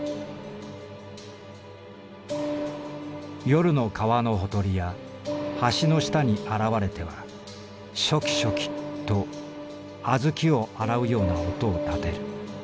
「夜の川のほとりや橋の下に現れては『しょきしょき』と小豆を洗うような音をたてる」。